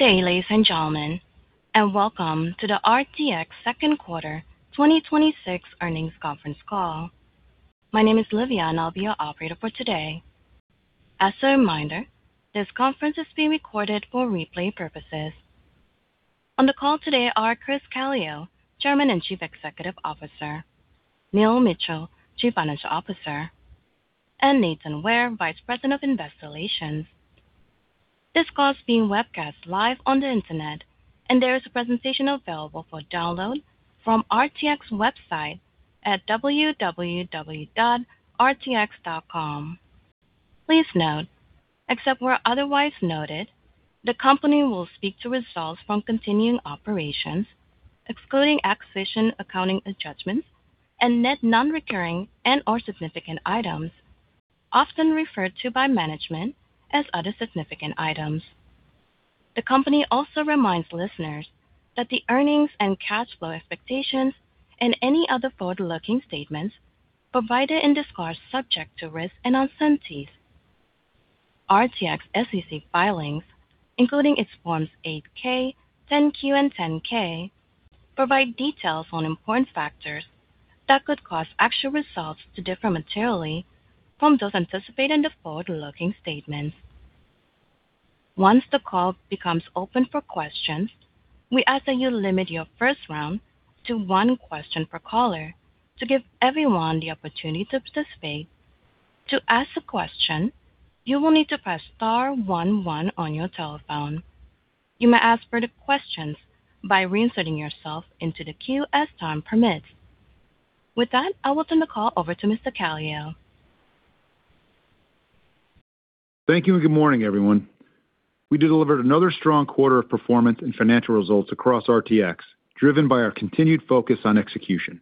Good day, ladies and gentlemen. Welcome to the RTX Second Quarter 2026 Earnings Conference Call. My name is Livia. I'll be your operator for today. As a reminder, this conference is being recorded for replay purposes. On the call today are Chris Calio, chairman and chief executive officer; Neil Mitchill, chief financial officer; and Nathan Ware, vice president of investor relations. This call is being webcast live on the internet. There is a presentation available for download from RTX website at www.rtx.com. Please note, except where otherwise noted, the company will speak to results from continuing operations, excluding acquisition, accounting judgments, and net non-recurring and/or significant items, often referred to by management as other significant items. The company also reminds listeners that the earnings and cash flow expectations and any other forward-looking statements provided in this call are subject to risks and uncertainties. RTX SEC filings, including its forms 8-K, 10-Q, and 10-K, provide details on important factors that could cause actual results to differ materially from those anticipated in the forward-looking statements. Once the call becomes open for questions, we ask that you limit your first round to one question per caller to give everyone the opportunity to participate. To ask a question, you will need to press star one one on your telephone. You may ask further questions by reinserting yourself into the queue as time permits. With that, I will turn the call over to Mr. Calio. Thank you. Good morning, everyone. We delivered another strong quarter of performance and financial results across RTX, driven by our continued focus on execution.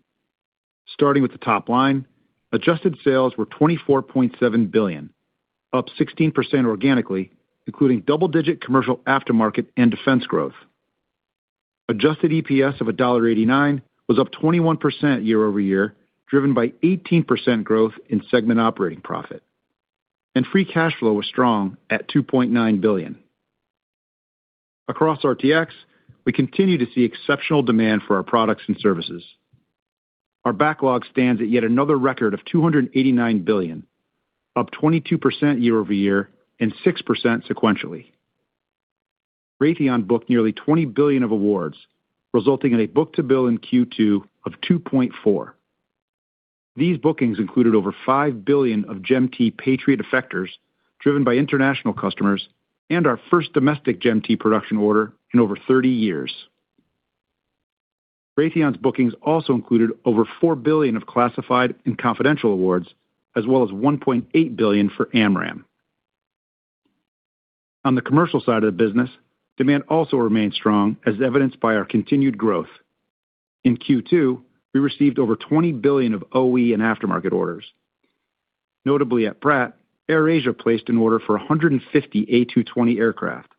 Starting with the top line, adjusted sales were $24.7 billion, up 16% organically, including double-digit commercial aftermarket and defense growth. Adjusted EPS of $1.89 was up 21% year-over-year, driven by 18% growth in segment operating profit. Free cash flow was strong at $2.9 billion. Across RTX, we continue to see exceptional demand for our products and services. Our backlog stands at yet another record of $289 billion, up 22% year-over-year and 6% sequentially. Raytheon booked nearly $20 billion of awards, resulting in a book-to-bill in Q2 of 2.4. These bookings included over $5 billion of GEM-T Patriot effectors driven by international customers and our first domestic GEM-T production order in over 30 years. Raytheon's bookings also included over $4 billion of classified and confidential awards as well as $1.8 billion for AMRAAM. On the commercial side of the business, demand also remains strong, as evidenced by our continued growth. In Q2, we received over $20 billion of OE and aftermarket orders. Notably at Pratt, AirAsia placed an order for 150 A220 aircraft,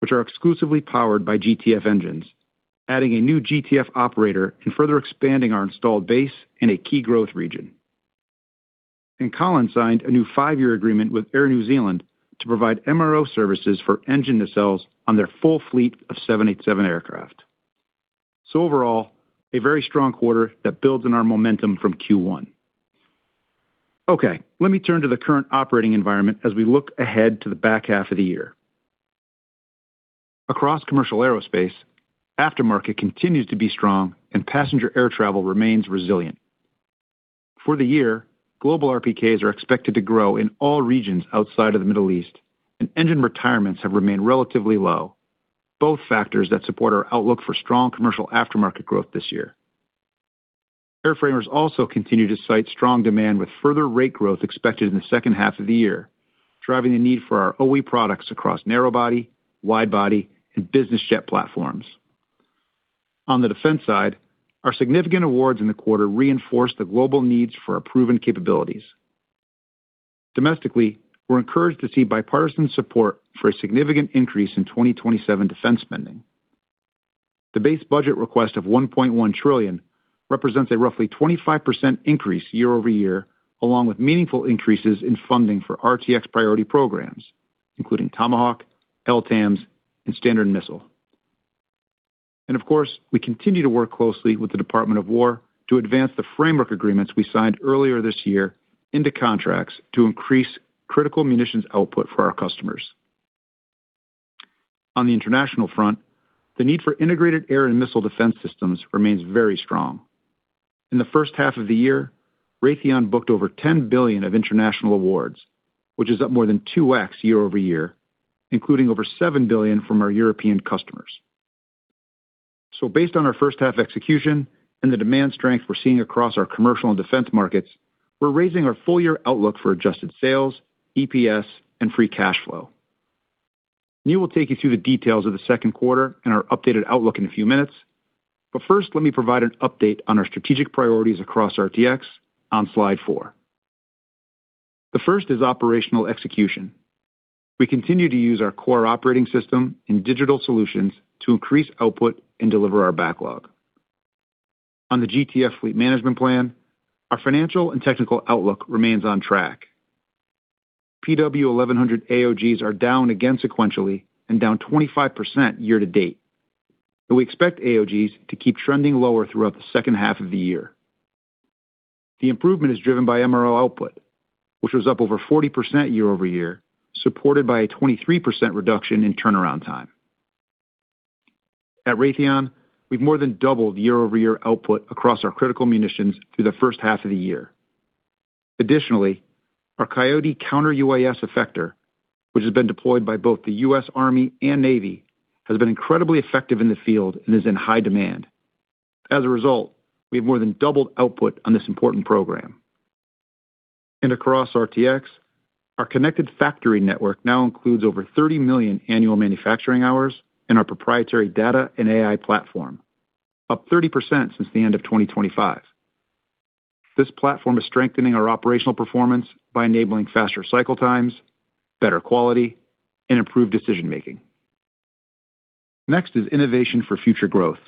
which are exclusively powered by GTF engines, adding a new GTF operator and further expanding our installed base in a key growth region. Collins signed a new five-year agreement with Air New Zealand to provide MRO services for engine nacelles on their full fleet of 787 aircraft. Overall, a very strong quarter that builds on our momentum from Q1. Let me turn to the current operating environment as we look ahead to the back half of the year. Across commercial aerospace, the aftermarket continues to be strong, and passenger air travel remains resilient. For the year, global RPKs are expected to grow in all regions outside of the Middle East, and engine retirements have remained relatively low, both factors that support our outlook for strong commercial aftermarket growth this year. Airframers also continue to cite strong demand, with further rate growth expected in the second half of the year, driving the need for our OE products across narrow body, wide body, and business jet platforms. On the defense side, our significant awards in the quarter reinforce the global needs for our proven capabilities. Domestically, we're encouraged to see bipartisan support for a significant increase in 2027 defense spending. The base budget request of $1.1 trillion represents a roughly 25% increase year-over-year, along with meaningful increases in funding for RTX priority programs, including Tomahawk, LTAMDS, and Standard Missile. Of course, we continue to work closely with the Department of War to advance the framework agreements we signed earlier this year into contracts to increase critical munitions output for our customers. On the international front, the need for integrated air and missile defense systems remains very strong. In the first half of the year, Raytheon booked over $10 billion of international awards, which is up more than 2x year-over-year, including over $7 billion from our European customers. Based on our first-half execution and the demand strength we're seeing across our commercial and defense markets, we're raising our full-year outlook for adjusted sales, EPS, and free cash flow. Neil will take you through the details of the second quarter and our updated outlook in a few minutes. First, let me provide an update on our strategic priorities across RTX on slide four. The first is operational execution. We continue to use our core operating system and digital solutions to increase output and deliver our backlog. On the GTF fleet management plan, our financial and technical outlook remains on track. PW1100 AOGs are down again sequentially and down 25% year-to-date. We expect AOGs to keep trending lower throughout the second half of the year. The improvement is driven by MRO output, which was up over 40% year-over-year, supported by a 23% reduction in turnaround time. At Raytheon, we've more than doubled year-over-year output across our critical munitions through the first half of the year. Additionally, our Coyote Counter-UAS effector, which has been deployed by both the U.S. Army and Navy, has been incredibly effective in the field and is in high demand. As a result, we have more than doubled output on this important program. Across RTX, our connected factory network now includes over 30 million annual manufacturing hours in our proprietary data and AI platform, up 30% since the end of 2025. This platform is strengthening our operational performance by enabling faster cycle times, better quality, and improved decision-making. Next is innovation for future growth.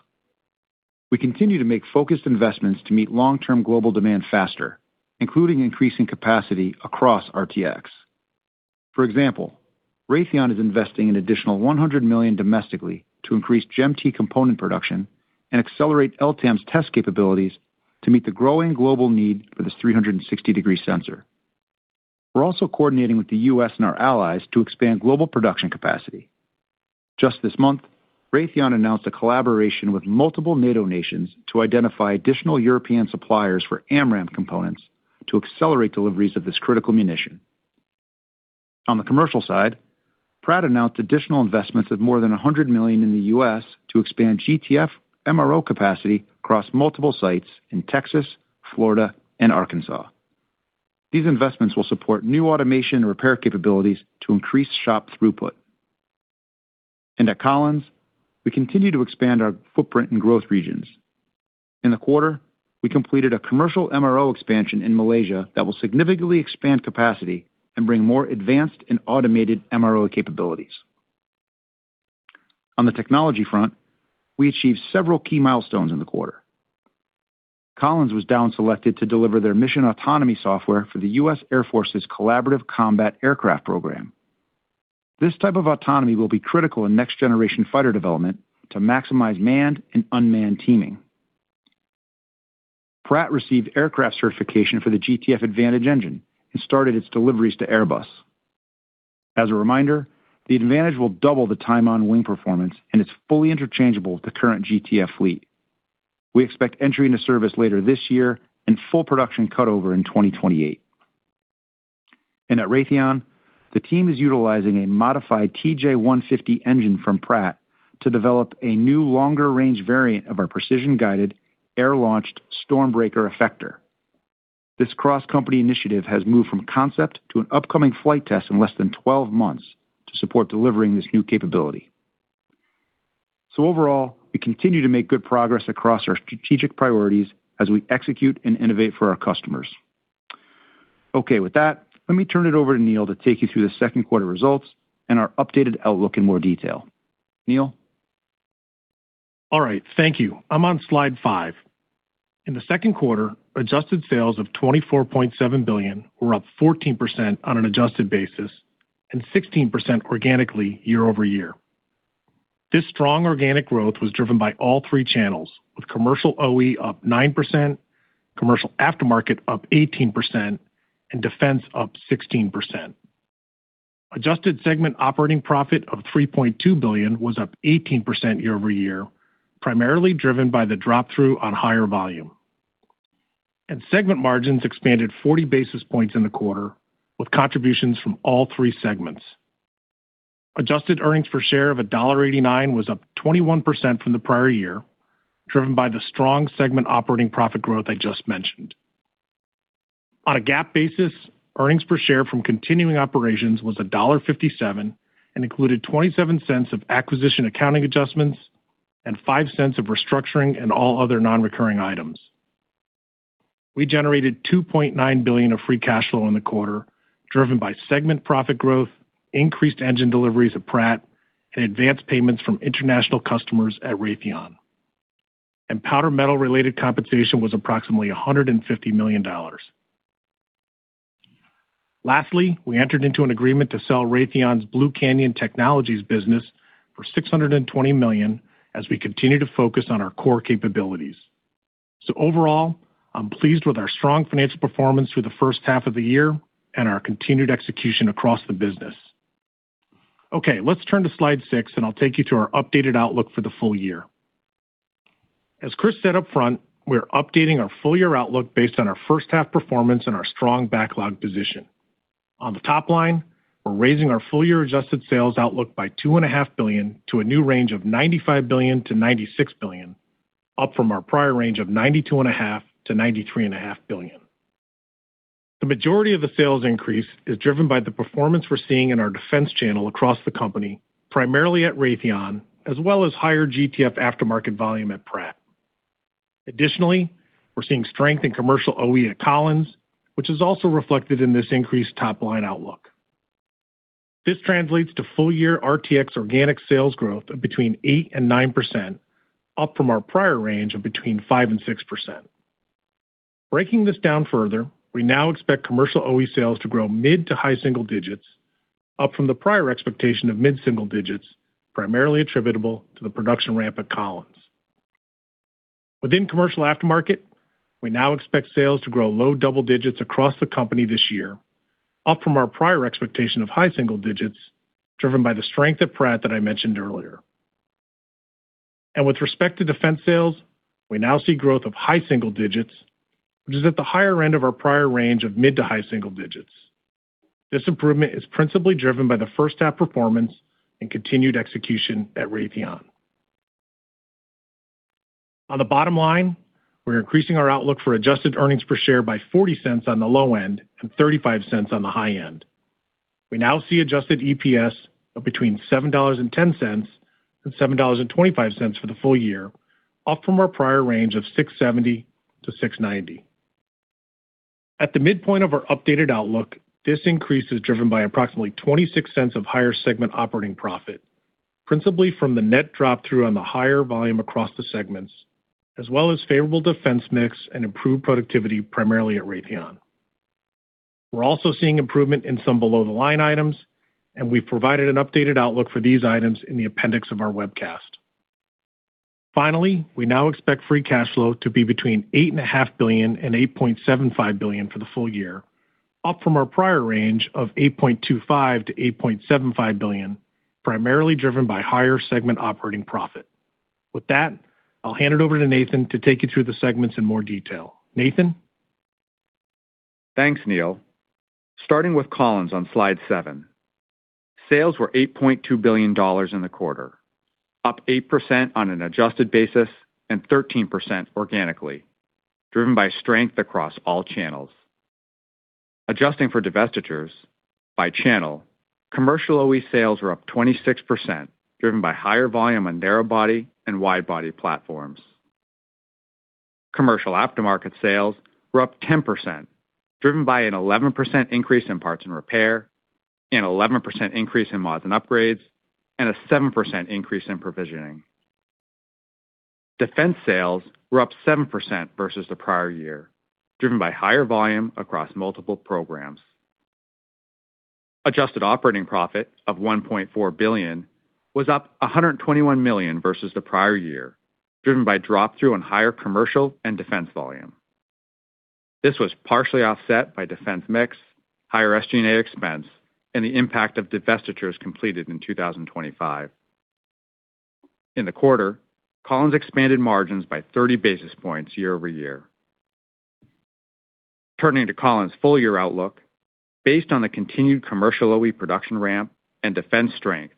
We continue to make focused investments to meet long-term global demand faster, including increasing capacity across RTX. For example, Raytheon is investing an additional $100 million domestically to increase JMT component production and accelerate LTAMDS's test capabilities to meet the growing global need for this 360-degree sensor. We're also coordinating with the U.S. and our allies to expand global production capacity. Just this month, Raytheon announced a collaboration with multiple NATO nations to identify additional European suppliers for AMRAAM components to accelerate deliveries of this critical munition. On the commercial side, Pratt announced additional investments of more than $100 million in the U.S. to expand GTF MRO capacity across multiple sites in Texas, Florida, and Arkansas. These investments will support new automation and repair capabilities to increase shop throughput. At Collins, we continue to expand our footprint and growth regions. In the quarter, we completed a commercial MRO expansion in Malaysia that will significantly expand capacity and bring more advanced and automated MRO capabilities. On the technology front, we achieved several key milestones in the quarter. Collins was down-selected to deliver their mission autonomy software for the U.S. Air Force's collaborative combat aircraft program. This type of autonomy will be critical in next-generation fighter development to maximize manned and unmanned teaming. Pratt received aircraft certification for the GTF Advantage engine and started its deliveries to Airbus. As a reminder, the Advantage will double the time on wing performance, and it's fully interchangeable with the current GTF fleet. We expect entry into service later this year and full production cut over in 2028. At Raytheon, the team is utilizing a modified TJ-150 engine from Pratt to develop a new longer-range variant of our precision-guided air-launched StormBreaker effector. This cross-company initiative has moved from concept to an upcoming flight test in less than 12 months to support delivering this new capability. So overall, we continue to make good progress across our strategic priorities as we execute and innovate for our customers. Okay. With that, let me turn it over to Neil to take you through the second quarter results and our updated outlook in more detail. Neil? All right. Thank you. I'm on slide five. In the second quarter, adjusted sales of $24.7 billion were up 14% on an adjusted basis and 16% organically year-over-year. This strong organic growth was driven by all three channels, with commercial OE up 9%, commercial aftermarket up 18%, and defense up 16%. Adjusted segment operating profit of $3.2 billion was up 18% year-over-year, primarily driven by the drop-through on higher volume. Segment margins expanded 40 basis points in the quarter, with contributions from all three segments. Adjusted earnings per share of $1.89 was up 21% from the prior year, driven by the strong segment operating profit growth I just mentioned. On a GAAP basis, earnings per share from continuing operations was $1.57 and included $0.27 of acquisition accounting adjustments and $0.05 of restructuring and all other non-recurring items. We generated $2.9 billion of free cash flow in the quarter, driven by segment profit growth, increased engine deliveries at Pratt, and advanced payments from international customers at Raytheon. Powder metal-related compensation was approximately $150 million. Lastly, we entered into an agreement to sell Raytheon's Blue Canyon Technologies business for $620 million as we continue to focus on our core capabilities. Overall, I'm pleased with our strong financial performance through the first half of the year and our continued execution across the business. Let's turn to slide six, and I'll take you to our updated outlook for the full year. As Chris said upfront, we are updating our full-year outlook based on our first-half performance and our strong backlog position. On the top line, we're raising our full-year adjusted sales outlook by $2.5 billion to a new range of $95 billion-$96 billion, up from our prior range of $92.5 billion-$93.5 billion. The majority of the sales increase is driven by the performance we're seeing in our defense channel across the company, primarily at Raytheon, as well as higher GTF aftermarket volume at Pratt. Additionally, we're seeing strength in commercial OE at Collins, which is also reflected in this increased top-line outlook. This translates to full-year RTX organic sales growth of between 8% and 9%, up from our prior range of between 5%-6%. Breaking this down further, we now expect commercial OE sales to grow mid- to high-single-digits, up from the prior expectation of mid-single-digits, primarily attributable to the production ramp at Collins. Within the commercial aftermarket, we now expect sales to grow low double-digits across the company this year, up from our prior expectation of high-single-digits driven by the strength of Pratt that I mentioned earlier. With respect to defense sales, we now see growth of high-single-digits, which is at the higher end of our prior range of mid- to high-single-digits. This improvement is principally driven by the first-half performance and continued execution at Raytheon. On the bottom line, we're increasing our outlook for adjusted earnings per share by $0.40 on the low end and $0.35 on the high end. We now see adjusted EPS of between $7.10 and $7.25 for the full year, up from our prior range of $6.70-$6.90. At the midpoint of our updated outlook, this increase is driven by approximately $0.26 of higher segment operating profit, principally from the net drop-through on the higher volume across the segments, as well as favorable defense mix and improved productivity primarily at Raytheon. We're also seeing improvement in some below-the-line items, and we've provided an updated outlook for these items in the appendix of our webcast. Finally, we now expect free cash flow to be between $8.5 billion and $8.75 billion for the full year, up from our prior range of $8.25 billion-$8.75 billion, primarily driven by higher segment operating profit. With that, I'll hand it over to Nathan to take you through the segments in more detail. Nathan? Thanks, Neil. Starting with Collins on slide seven. Sales were $8.2 billion in the quarter, up 8% on an adjusted basis and 13% organically, driven by strength across all channels. Adjusting for divestitures by channel, commercial OE sales were up 26%, driven by higher volume on narrow body and wide body platforms. Commercial aftermarket sales were up 10%, driven by an 11% increase in parts and repair, an 11% increase in mods and upgrades, and a 7% increase in provisioning. Defense sales were up 7% versus the prior year, driven by higher volume across multiple programs. Adjusted operating profit of $1.4 billion was up $121 million versus the prior year, driven by drop-through on higher commercial and defense volume. This was partially offset by defense mix, higher SG&A expense, and the impact of divestitures completed in 2025. In the quarter, Collins expanded margins by 30 basis points year-over-year. Turning to Collins' full-year outlook, based on the continued commercial OE production ramp and defense strength,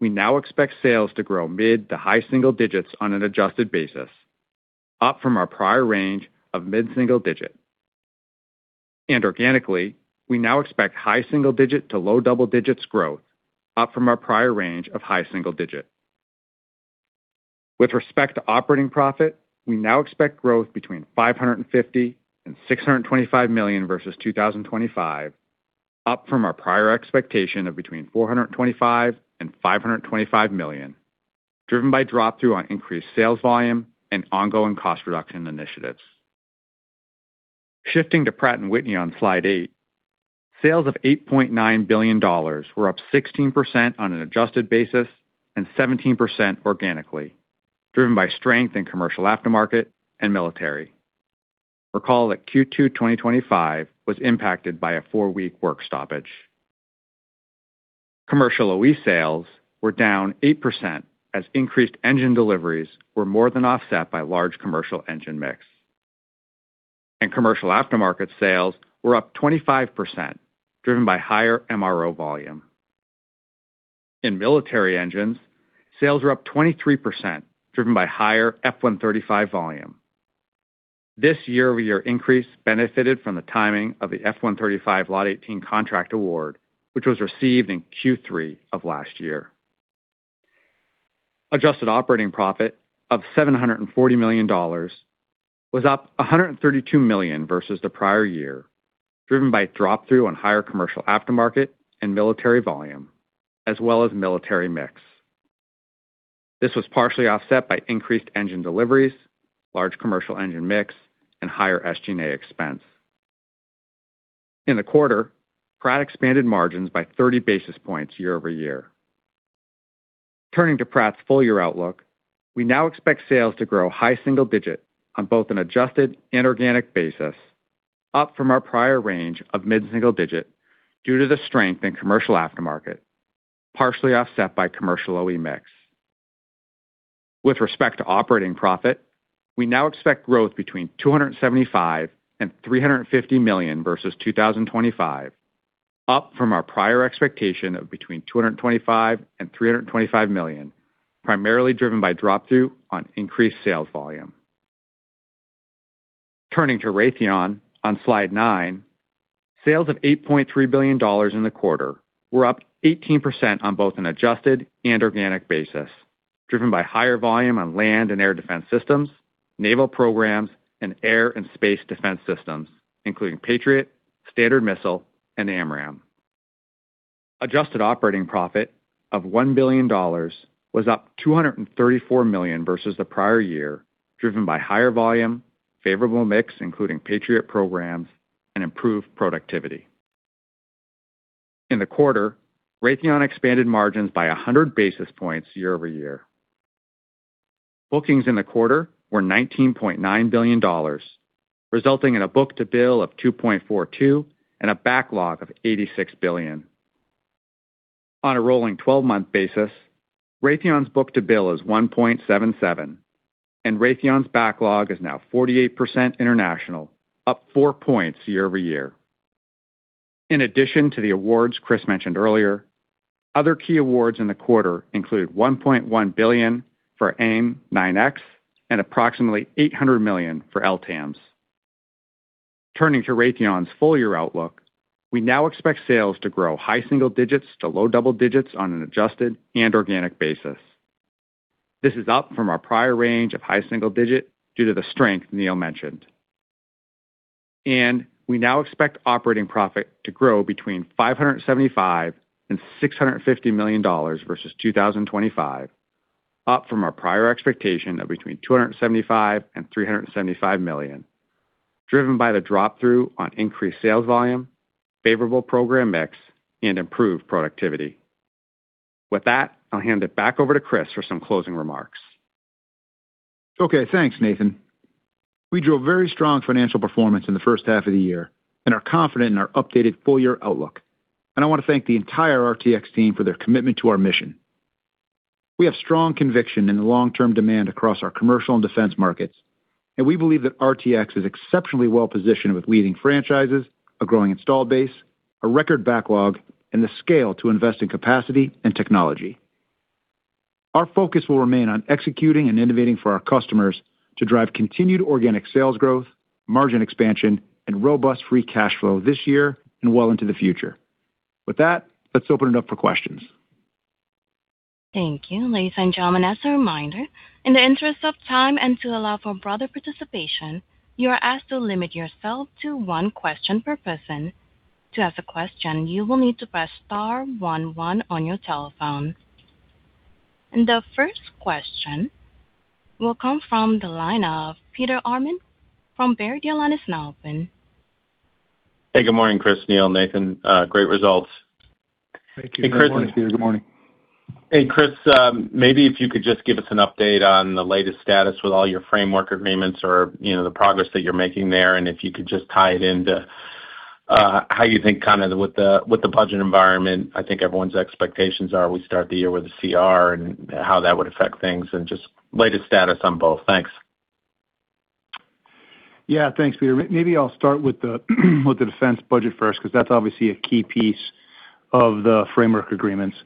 we now expect sales to grow mid- to high single digits on an adjusted basis, up from our prior range of mid-single digits. Organically, we now expect high single-digit to low double-digit growth, up from our prior range of high single-digit. With respect to operating profit, we now expect growth between $550 million and $625 million versus 2025, up from our prior expectation of between $425 million and $525 million, driven by drop-through on increased sales volume and ongoing cost-reduction initiatives. Shifting to Pratt & Whitney on slide eight. Sales of $8.9 billion were up 16% on an adjusted basis and 17% organically, driven by strength in commercial aftermarket and military. Recall that Q2 2025 was impacted by a four-week work stoppage. Commercial OE sales were down 8% as increased engine deliveries were more than offset by large commercial engine mix. Commercial aftermarket sales were up 25%, driven by higher MRO volume. In military engines, sales were up 23%, driven by higher F135 volume. This year-over-year increase benefited from the timing of the F135 Lot 18 contract award, which was received in Q3 of last year. Adjusted operating profit of $740 million was up $132 million versus the prior year, driven by drop-through on higher commercial aftermarket and military volume, as well as military mix. This was partially offset by increased engine deliveries, a large commercial engine mix, and higher SG&A expenses. In the quarter, Pratt expanded margins by 30 basis points year-over-year. Turning to Pratt's full-year outlook, we now expect sales to grow high single digits on both an adjusted and organic basis, up from our prior range of mid-single digits due to the strength in commercial aftermarket, partially offset by commercial OE mix. With respect to operating profit, we now expect growth between $275 million and $350 million versus 2025, up from our prior expectation of between $225 million and $325 million, primarily driven by drop-through on increased sales volume. Turning to Raytheon on slide nine, sales of $8.3 billion in the quarter were up 18% on both an adjusted and organic basis, driven by higher volume on land and air defense systems, naval programs, and air and space defense systems, including Patriot, Standard Missile, and AMRAAM. Adjusted operating profit of $1 billion was up $234 million versus the prior year, driven by higher volume, favorable mix, including Patriot programs, and improved productivity. In the quarter, Raytheon expanded margins by 100 basis points year-over-year. Bookings in the quarter were $19.9 billion, resulting in a book-to-bill of 2.42 and a backlog of $86 billion. On a rolling 12-month basis, Raytheon's book-to-bill is 1.77, and Raytheon's backlog is now 48% international, up four points year-over-year. In addition to the awards Chris mentioned earlier, other key awards in the quarter include $1.1 billion for AIM-9X and approximately $800 million for LTAMDS. Turning to Raytheon's full-year outlook, we now expect sales to grow high single digits to low double digits on an adjusted and organic basis. This is up from our prior range of high single digits due to the strength Neil mentioned. We now expect operating profit to grow between $575 million and $650 million versus 2025, up from our prior expectation of between $275 million and $375 million, driven by the drop-through on increased sales volume, favorable program mix, and improved productivity. With that, I'll hand it back over to Chris for some closing remarks. Okay. Thanks, Nathan. We drove very strong financial performance in the first half of the year and are confident in our updated full-year outlook. I want to thank the entire RTX team for their commitment to our mission. We have strong conviction in the long-term demand across our commercial and defense markets. We believe that RTX is exceptionally well-positioned with leading franchises, a growing installed base, a record backlog, and the scale to invest in capacity and technology. Our focus will remain on executing and innovating for our customers to drive continued organic sales growth, margin expansion, and robust free cash flow this year and well into the future. With that, let's open it up for questions. Thank you. Ladies and gentlemen, as a reminder, in the interest of time and to allow for broader participation, you are asked to limit yourself to one question per person. To ask a question, you will need to press star one one on your telephone. The first question will come from the line of Peter Arment from Baird. Your line is now open. Hey, good morning, Chris, Neil, Nathan. Great results. Hey, Chris, maybe if you could just give us an update on the latest status with all your framework agreements or the progress that you're making there, and if you could just tie it into how you think with the budget environment, I think everyone's expectations are we start the year with a CR and how that would affect things and just latest status on both. Thanks. Thanks, Peter. Maybe I'll start with the defense budget first because that's obviously a key piece of the framework agreements.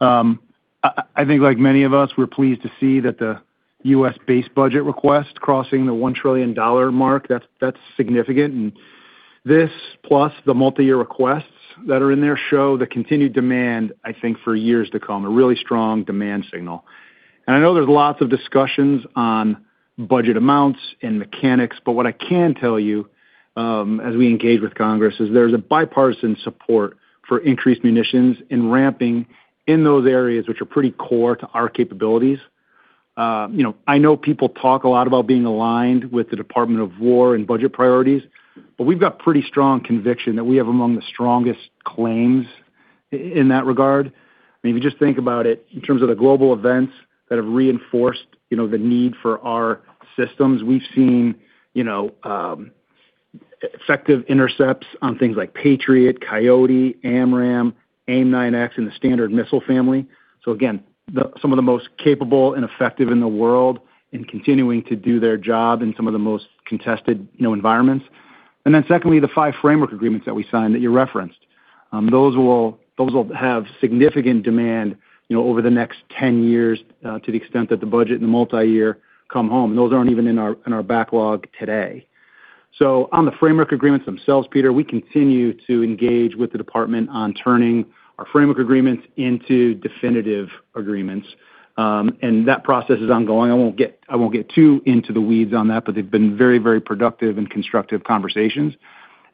I think, like many of us, we're pleased to see that the U.S. base budget request is crossing the $1 trillion mark; that's significant. This, plus the multi-year requests that are in there, shows the continued demand, I think, for years to come, a really strong demand signal. I know there's lots of discussions on budget amounts and mechanics, but what I can tell you, as we engage with Congress, is there's a bipartisan support for increased munitions and ramping in those areas, which are pretty core to our capabilities. I know people talk a lot about being aligned with the Department of War and budget priorities, but we've got pretty strong conviction that we have among the strongest claims in that regard. If you just think about it in terms of the global events that have reinforced the need for our systems. We've seen effective intercepts on things like Patriot, Coyote, AMRAAM, AIM-9X, and the Standard Missile family. Again, some of the most capable and effective in the world continue to do their job in some of the most contested environments. Secondly, the five framework agreements that we signed that you referenced. Those will have significant demand over the next 10 years to the extent that the budget and the multi-year come home. Those aren't even in our backlog today. So on the framework agreements themselves, Peter, we continue to engage with the department on turning our framework agreements into definitive agreements, and that process is ongoing. I won't get too into the weeds on that, but they've been very, very productive and constructive conversations.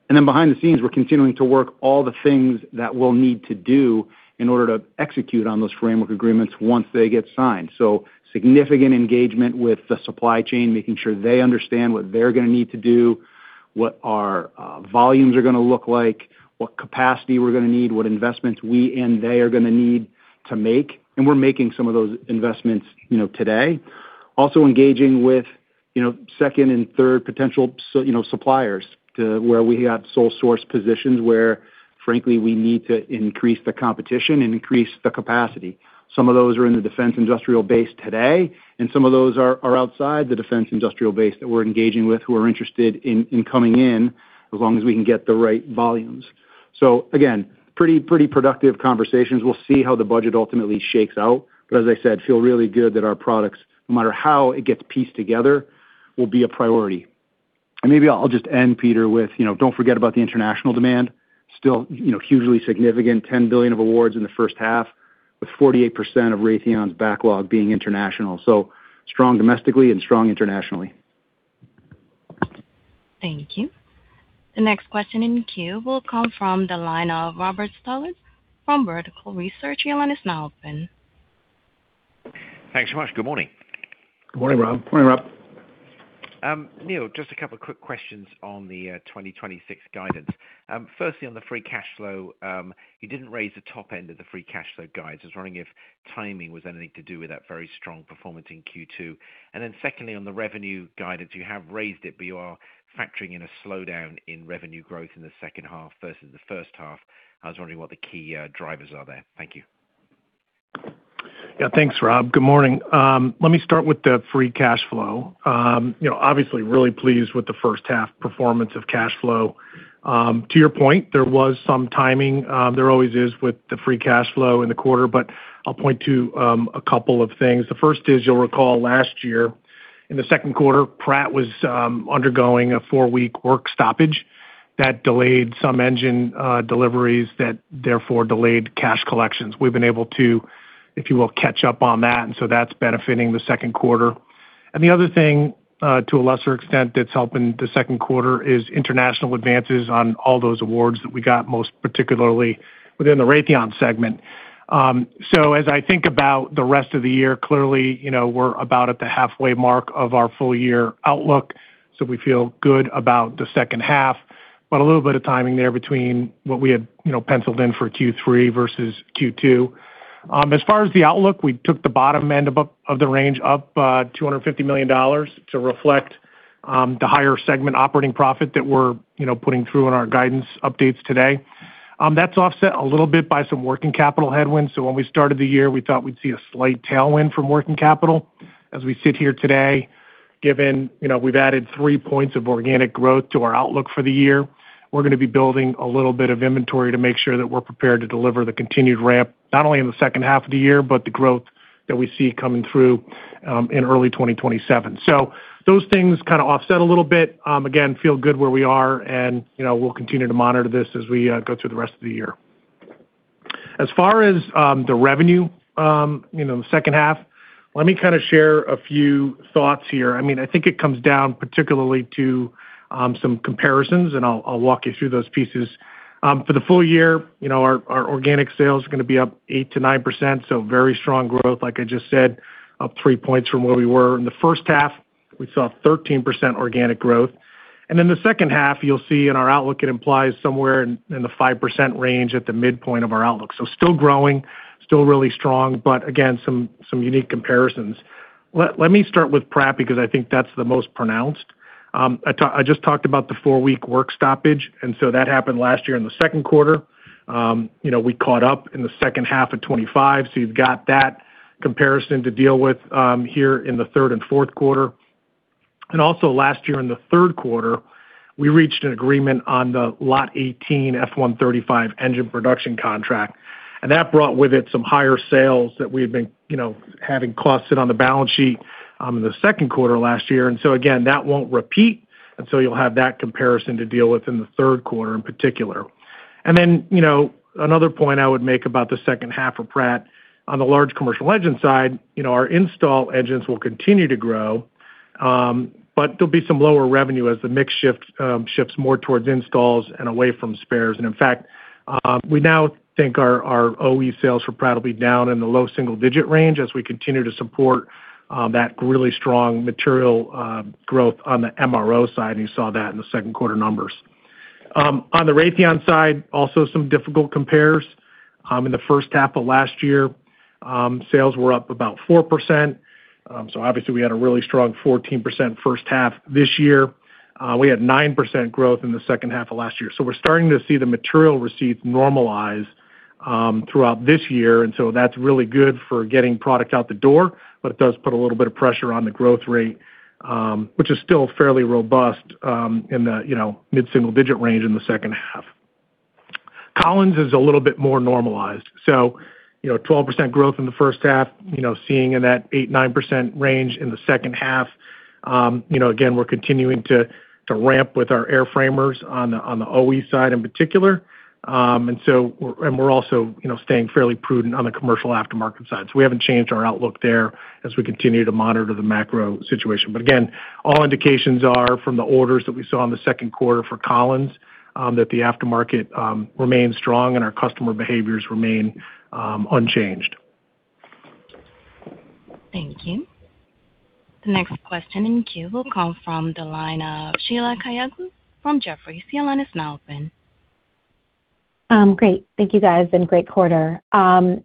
Behind the scenes, we're continuing to work on all the things that we'll need to do in order to execute on those framework agreements once they get signed. So significant engagement with the supply chain, making sure they understand what they're going to need to do, what our volumes are going to look like, what capacity we're going to need, and what investments we and they are going to need to make. And we're making some of those investments today. Also engaging with second and third potential suppliers where we have sole-source positions where, frankly, we need to increase the competition and increase the capacity. Some of those are in the defense industrial base today, and some of those are outside the defense industrial base that we're engaging with who are interested in coming in as long as we can get the right volumes. Again, pretty productive conversations. We'll see how the budget ultimately shakes out, but as I said, feel really good that our products, no matter how it gets pieced together, will be a priority. Maybe I'll just end, Peter, with, don't forget about the international demand. Still hugely significant, $10 billion of awards in the first half, with 48% of Raytheon's backlog being international. Strong domestically and strong internationally. Thank you. The next question in queue will come from the line of Robert Stallard from Vertical Research. Your line is now open. Thanks so much. Good morning. Morning, Rob. Neil, just a couple of quick questions on the 2026 guidance. Firstly, on the free cash flow, you didn't raise the top end of the free cash flow guidance. I was wondering if timing was anything to do with that very strong performance in Q2. Secondly, on the revenue guidance, you have raised it, but you are factoring in a slowdown in revenue growth in the second half versus the first half. I was wondering what the key drivers are there. Thank you. Thanks, Rob. Good morning. Let me start with the free cash flow. Obviously, I'm really pleased with the first-half performance of cash flow. To your point, there was some timing. There always is with the free cash flow in the quarter, but I'll point to a couple of things. The first is, you'll recall, last year in the second quarter, Pratt was undergoing a four-week work stoppage that delayed some engine deliveries, which therefore delayed cash collections. We've been able to, if you will, catch up on that, and that's benefiting the second quarter. The other thing, to a lesser extent, that's helping the second quarter is international advances on all those awards that we got, most particularly within the Raytheon segment. As I think about the rest of the year, clearly, we're about at the halfway mark of our full-year outlook. We feel good about the second half, but a little bit of timing there between what we had penciled in for Q3 versus Q2. As far as the outlook, we took the bottom end of the range up $250 million to reflect the higher segment operating profit that we're putting through in our guidance updates today. That's offset a little bit by some working capital headwinds. When we started the year, we thought we'd see a slight tailwind from working capital. As we sit here today, given we've added three points of organic growth to our outlook for the year, we're going to be building a little bit of inventory to make sure that we're prepared to deliver the continued ramp, not only in the second half of the year, but the growth that we see coming through in early 2027. Those things kind of offset a little bit. Again, feel good where we are; we'll continue to monitor this as we go through the rest of the year. As far as the revenue in the second half, let me share a few thoughts here. I think it comes down particularly to some comparisons; I'll walk you through those pieces. For the full year, our organic sales are going to be up 8%-9%, very strong growth, like I just said, up three points from where we were. In the first half, we saw 13% organic growth. In the second half, you'll see in our outlook it implies somewhere in the 5% range at the midpoint of our outlook. Still growing, still really strong; again, some unique comparisons. Let me start with Pratt because I think that's the most pronounced. I just talked about the four-week work stoppage that happened last year in the second quarter. We caught up in the second half of 2025; you've got that comparison to deal with here in the third and fourth quarters. Also last year in the third quarter, we reached an agreement on the Lot 18 F135 engine production contract that brought with it some higher sales that we've been having costs sit on the balance sheet in the second quarter last year. Again, that won't repeat; you'll have that comparison to deal with in the third quarter in particular. Another point I would make about the second half of Pratt on the large commercial engine side: our install engines will continue to grow; there'll be some lower revenue as the mix shifts more towards installs and away from spares. In fact, we now think our OE sales for Pratt will be down in the low single-digit range as we continue to support that really strong material growth on the MRO side; you saw that in the second quarter numbers. On the Raytheon side, also some difficult comparisons. In the first half of last year, sales were up about 4%. Obviously we had a really strong 14% first half this year. We had 9% growth in the second half of last year. We're starting to see the material receipts normalize throughout this year; that's really good for getting product out the door. It does put a little bit of pressure on the growth rate, which is still fairly robust in the mid-single-digit range in the second half. Collins is a little bit more normalized. 12% growth in the first half, seeing that 8%-9% range in the second half. Again, we're continuing to ramp with our air framers on the OE side in particular. We're also staying fairly prudent on the commercial aftermarket side. We haven't changed our outlook there as we continue to monitor the macro situation. Again, all indications are from the orders that we saw in the second quarter for Collins, that the aftermarket remains strong our customer behaviors remain unchanged. Thank you. The next question in queue will come from the line of Sheila Kahyaoglu from Jefferies. Your line is now open. Great. Thank you, guys, and great quarter. Neil,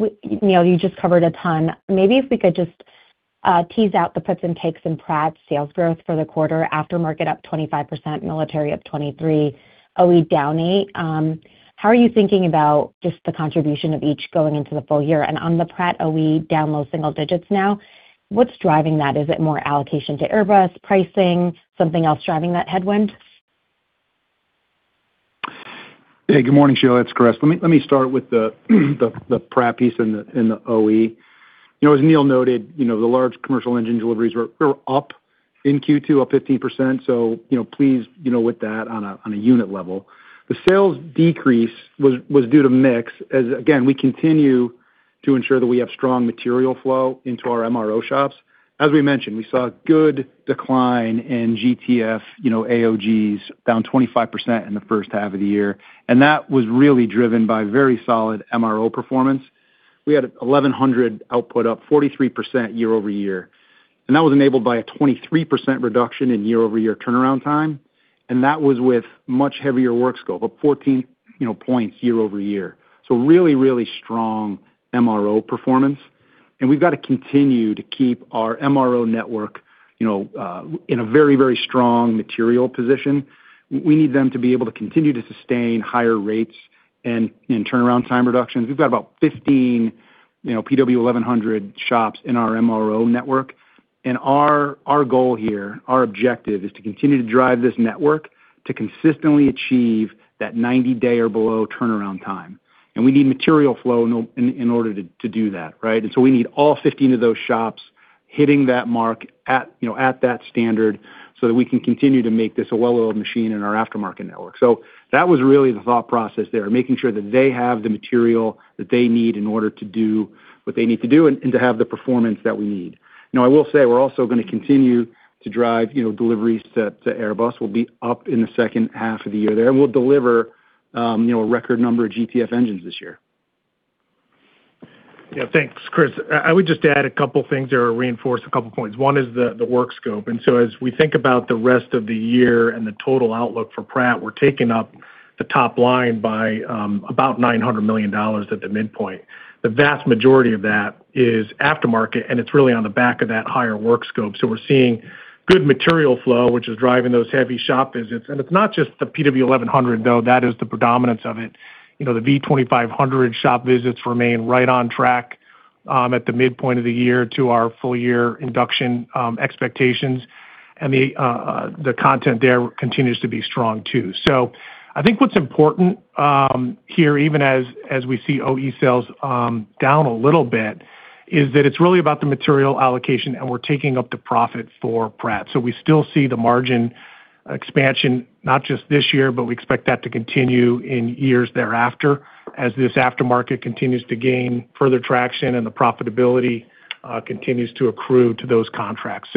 you just covered a ton. Maybe if we could just tease out the puts and takes in Pratt's sales growth for the quarter. Aftermarket up 25%, military up 23%, OE down 8%. How are you thinking about just the contribution of each going into the full year? On the Pratt OE down low single digits now, what's driving that? Is it more allocation to Airbus pricing, something else driving that headwind? Yeah. Good morning, Sheila. That's correct. Let me start with the Pratt piece and the OE. As Neil noted, the large commercial engine deliveries were up in Q2, up 15%. Pleased with that on a unit level. The sales decrease was due to mix as, again, we continue to ensure that we have strong material flow into our MRO shops. As we mentioned, we saw a good decline in GTF AOGs down 25% in the first half of the year, and that was really driven by very solid MRO performance. We had PW1100G-JM output up 43% year-over-year, and that was enabled by a 23% reduction in year-over-year turnaround time, and that was with much heavier work scope, up 14 points year-over-year. Really, really strong MRO performance. We've got to continue to keep our MRO network in a very, very strong material position. We need them to be able to continue to sustain higher rates and turnaround time reductions. We've got about 15 PW1100G-JM shops in our MRO network, our goal here, our objective is to continue to drive this network to consistently achieve that 90-day or below turnaround time. We need material flow in order to do that, right? We need all 15 of those shops hitting that mark at that standard so that we can continue to make this a well-oiled machine in our aftermarket network. That was really the thought process there, making sure that they have the material that they need in order to do what they need to do, and to have the performance that we need. I will say, we're also going to continue to drive deliveries to Airbus. We'll be up in the second half of the year there, and we'll deliver a record number of GTF engines this year. Yeah, thanks, Chris. I would just add a couple things there or reinforce a couple points. One is the work scope. As we think about the rest of the year and the total outlook for Pratt, we're taking up the top line by about $900 million at the midpoint. The vast majority of that is aftermarket, and it's really on the back of that higher work scope. We're seeing good material flow, which is driving those heavy shop visits. It's not just the PW1100G-JM, though that is the predominance of it. The V2500 shop visits remain right on track at the midpoint of the year with our full-year induction expectations. The content there continues to be strong, too. I think what's important here, even as we see OE sales down a little bit, is that it's really about the material allocation, and we're taking up the profit for Pratt. We still see the margin expansion, not just this year, but we expect that to continue in years thereafter as this aftermarket continues to gain further traction and the profitability continues to accrue to those contracts.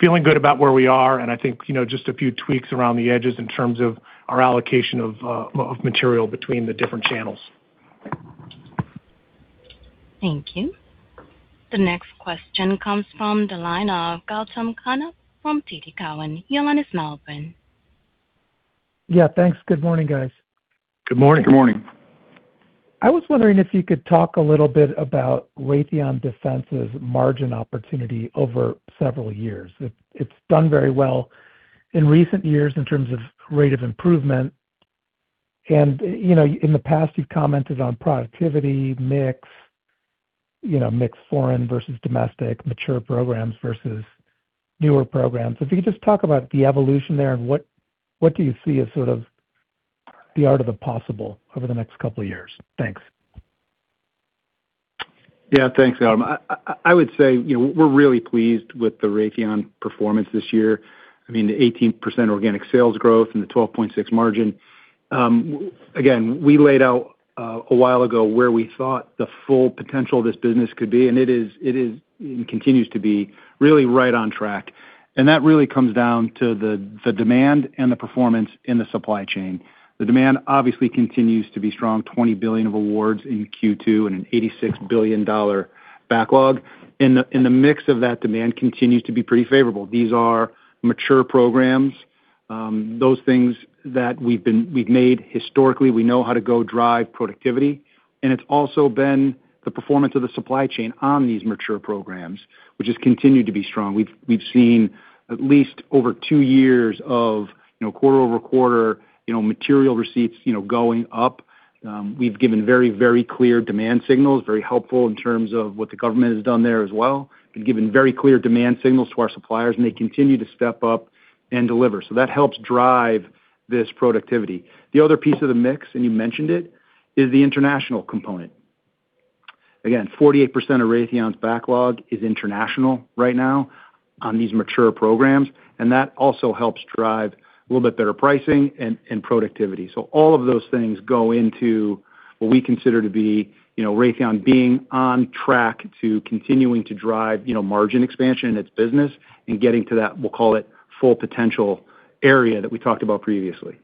Feeling good about where we are, and I think just a few tweaks around the edges in terms of our allocation of material between the different channels. Thank you. The next question comes from the line of Gautam Khanna from TD Cowen. Your line is now open. Yeah, thanks. Good morning, guys. Good morning. Good morning. I was wondering if you could talk a little bit about Raytheon Defense's margin opportunity over several years. It's done very well in recent years in terms of rate of improvement. In the past, you've commented on productivity, mixing foreign versus domestic and mature programs versus newer programs. If you could just talk about the evolution there, what do you see as sort of the art of the possible over the next couple of years? Thanks. Yeah. Thanks, Gautam. I would say we're really pleased with the Raytheon performance this year. I mean, the 18% organic sales growth and the 12.6% margin. We laid out a while ago where we thought the full potential of this business could be, and it is and continues to be really right on track. That really comes down to the demand and the performance in the supply chain. The demand obviously continues to be strong, with $20 billion of awards in Q2 and an $86 billion backlog. The mix of that demand continues to be pretty favorable. These are mature programs, those things that we've made historically; we know how to drive productivity. It's also been the performance of the supply chain on these mature programs, which has continued to be strong. We've seen at least over two years of quarter-over-quarter material receipts going up. We've given very, very clear demand signals, very helpful in terms of what the government has done there as well. We've given very clear demand signals to our suppliers, and they continue to step up and deliver. That helps drive this productivity. The other piece of the mix, and you mentioned it, is the international component. Again, 48% of Raytheon's backlog is international right now on these mature programs, and that also helps drive a little bit better pricing and productivity. All of those things go into what we consider to be Raytheon being on track to continue to drive margin expansion in its business and getting to that, we'll call it, full potential area that we talked about previously.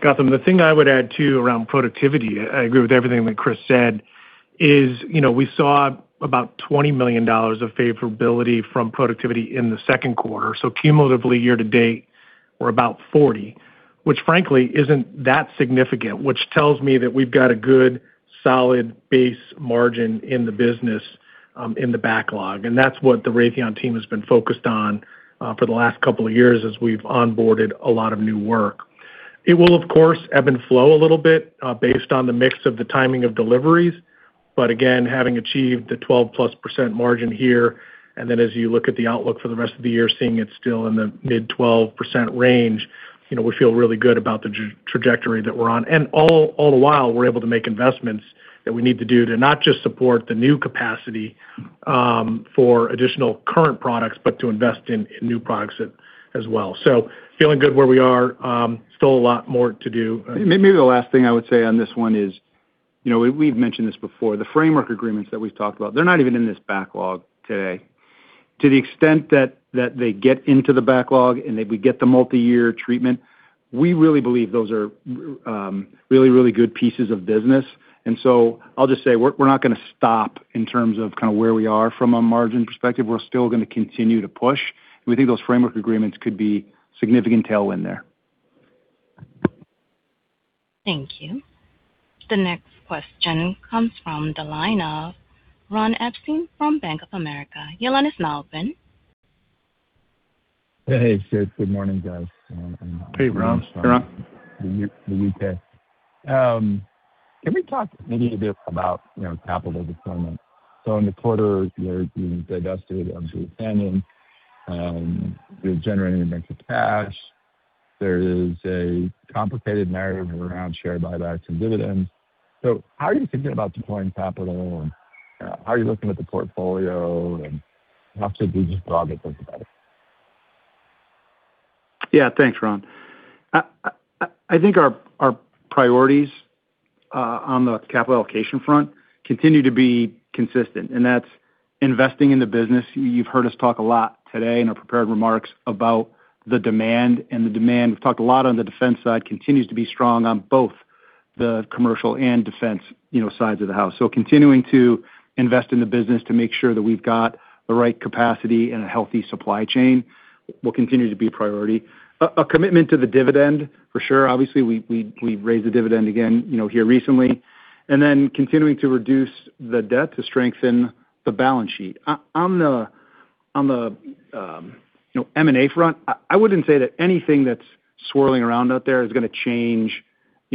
Gautam, the thing I would add, too, around productivity—I agree with everything that Chris said—is we saw about $20 million of favorability from productivity in the second quarter. Cumulatively, year-to-date, we're about $40 million, which frankly isn't that significant, which tells me that we've got a good solid base margin in the business and in the backlog. That's what the Raytheon team has been focused on for the last couple of years as we've onboarded a lot of new work. It will, of course, ebb and flow a little bit based on the mix of the timing of deliveries. Again, having achieved the +12% margin here, and then as you look at the outlook for the rest of the year, seeing it still in the mid-12% range, we feel really good about the trajectory that we're on. All the while, we're able to make investments that we need to do to not just support the new capacity for additional current products but to invest in new products as well. Feeling good where we are. Still a lot more to do. Maybe the last thing I would say on this one is, as we've mentioned this before, the framework agreements that we've talked about are not even in this backlog today. To the extent that they get into the backlog and that we get the multi-year treatment, we really believe those are really, really good pieces of business. I'll just say, we're not going to stop in terms of where we are from a margin perspective. We're still going to continue to push, and we think those framework agreements could be a significant tailwind there. Thank you. The next question comes from the line of Ron Epstein from Bank of America. Your line is now open. Hey, Chris. Good morning, guys. Hey, Ron. Hey, Ron. [inaudible] Can we talk maybe a bit about capital deployment? In the quarter, you divested [a training]. You're generating events of cash. There is a complicated narrative around share buybacks and dividends. How are you thinking about deploying capital, and how are you looking at the portfolio, and how should we just broadly think about it? Yeah, thanks, Ron. I think our priorities on the capital allocation front continue to be consistent, and that's investing in the business. You've heard us talk a lot today in our prepared remarks about the demand, and the demand, we've talked a lot on the defense side, continues to be strong on both the commercial and defense sides of the house. Continuing to invest in the business to make sure that we've got the right capacity and a healthy supply chain will continue to be a priority. A commitment to the dividend, for sure. Obviously, we raised the dividend again here recently. Then continuing to reduce the debt to strengthen the balance sheet. On the M&A front, I wouldn't say that anything that's swirling around out there is going to change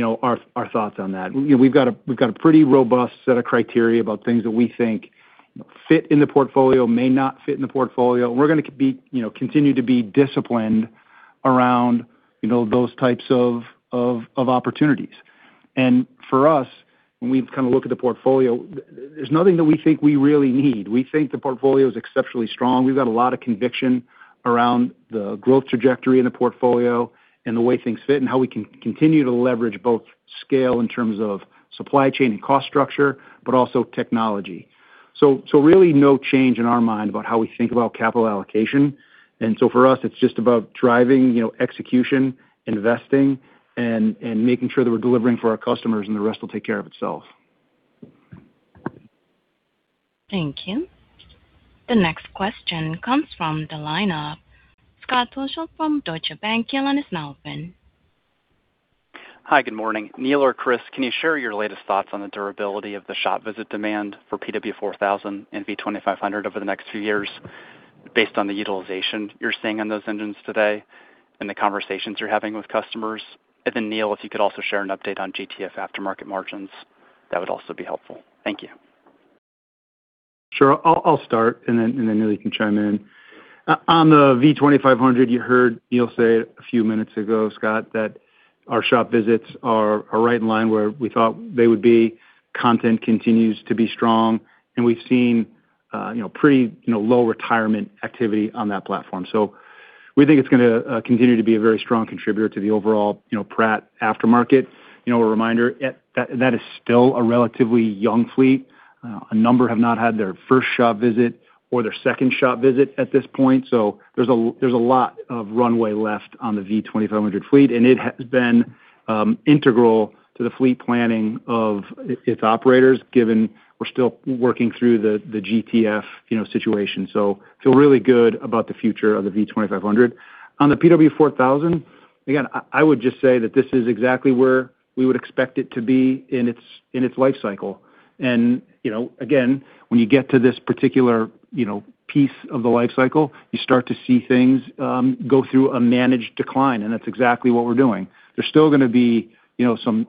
our thoughts on that. We've got a pretty robust set of criteria about things that we think fit in the portfolio, may not fit in the portfolio. We're going to continue to be disciplined around those types of opportunities. For us, when we look at the portfolio, there's nothing that we think we really need. We think the portfolio is exceptionally strong. We've got a lot of conviction around the growth trajectory in the portfolio and the way things fit, and how we can continue to leverage both scale in terms of supply chain and cost structure, but also technology. Really no change in our mind about how we think about capital allocation. For us, it's just about driving execution, investing, and making sure that we're delivering for our customers, and the rest will take care of itself. Thank you. The next question comes from the line of Scott Deuschle from Deutsche Bank. Your line is now open. Hi, good morning. Neil or Chris, can you share your latest thoughts on the durability of the shop visit demand for the PW4000 and V2500 over the next few years based on the utilization you're seeing on those engines today and the conversations you're having with customers? Then Neil, if you could also share an update on GTF aftermarket margins, that would also be helpful. Thank you. Sure. I'll start, then Neil, you can chime in. On the V2500, you heard Neil say a few minutes ago, Scott, that our shop visits are right in line where we thought they would be. Content continues to be strong, and we've seen pretty low retirement activity on that platform. We think it's going to continue to be a very strong contributor to the overall Pratt aftermarket. A reminder: that is still a relatively young fleet. A number have not had their first shop visit or their second shop visit at this point. There's a lot of runway left on the V2500 fleet, and it has been integral to the fleet planning of its operators, given we're still working through the GTF situation. Feel really good about the future of the V2500. On the PW4000, again, I would just say that this is exactly where we would expect it to be in its life cycle. Again, when you get to this particular piece of the life cycle, you start to see things go through a managed decline, and that's exactly what we're doing. There's still going to be some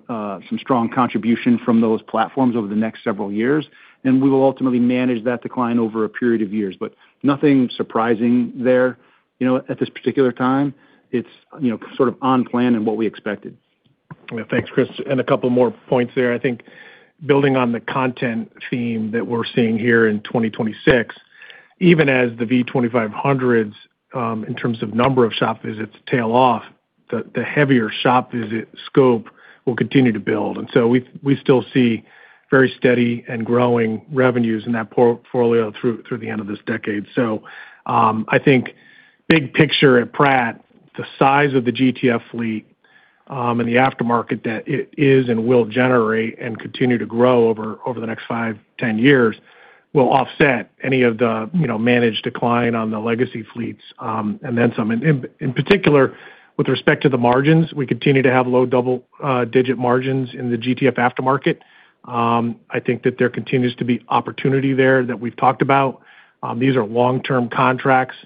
strong contribution from those platforms over the next several years, and we will ultimately manage that decline over a period of years. Nothing surprising there at this particular time. It's sort of on plan and what we expected. Yeah. Thanks, Chris. A couple more points there. I think building on the content theme that we're seeing here in 2026, even as the V2500s, in terms of number of shop visits, tail off, the heavier shop visit scope will continue to build. We still see very steady and growing revenues in that portfolio through the end of this decade. I think the big picture at Pratt, the size of the GTF fleet, and the aftermarket that it is and will generate and continue to grow over the next five to 10 years will offset any of the managed decline on the legacy fleets and then some. In particular, with respect to the margins, we continue to have low double-digit margins in the GTF aftermarket. I think that there continues to be opportunity there that we've talked about. These are long-term contracts.